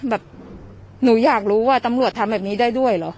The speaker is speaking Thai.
แบบหนูอยากรู้ว่าตำรวจทำแบบนี้ได้ด้วยเหรอ